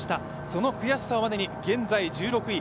その悔しさをバネに、現在１６位。